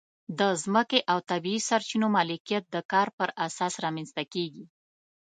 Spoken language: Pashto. د ځمکې او طبیعي سرچینو مالکیت د کار پر اساس رامنځته کېږي.